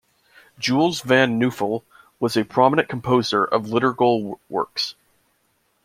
Jules Van Nuffel was a prominent composer of liturgical works.